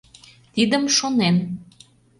Тидым шонен.